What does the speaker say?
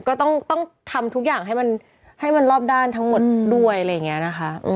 ก็ต้องทำทุกอย่างให้มันรอบด้านทั้งหมดด้วยนะครับ